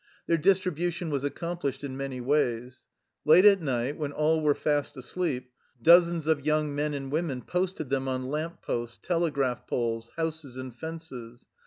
Their distribution was accomplished in many ways. Late at night, when all were fast asleep, dozens of young men and women posted them on lamp posts, telegraph poles, houses and fences.